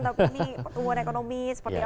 tapi ini pertumbuhan ekonomi seperti apa